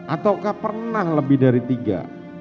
ataukah pernah lebih dari tiga